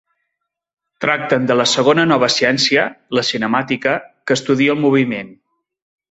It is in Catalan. Tracten de la segona nova ciència, la cinemàtica, que estudia el moviment.